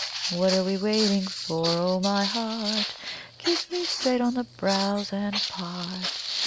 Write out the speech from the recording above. "What are we waiting for? Oh, my heart! Kiss me straight on the brows and part!